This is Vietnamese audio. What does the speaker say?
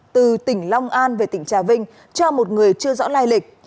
từ tỉnh long an về tỉnh trà vinh cho một người chưa rõ lai lịch